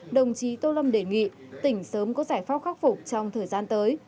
đồng chí tô lâm đề nghị tỉnh sớm có giải pháp khắc phục trong thời gian tới